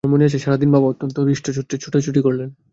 আমার মনে আছে, সারাদিন বাবা অত্যন্ত হৃষ্টচিত্তে ছোটাছুটি করলেন।